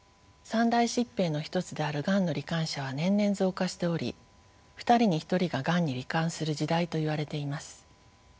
三大疾病の一つであるがんの罹患者は年々増加しており２人に１人ががんに罹患する時代といわれています。